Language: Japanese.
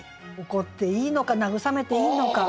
怒っていいのか慰めていいのか。